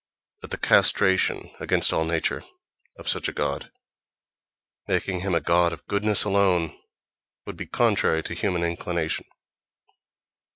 But the castration, against all nature, of such a god, making him a god of goodness alone, would be contrary to human inclination.